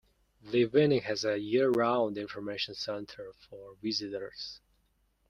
Lee Vining has a year-round Information Center for visitors.